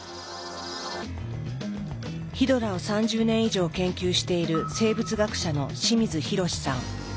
ヒドラを３０年以上研究している生物学者の清水裕さん。